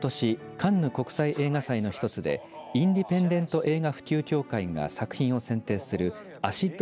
カンヌ国際映画祭の一つでインディペンデント映画普及協会が作品を選定するＡＣＩＤ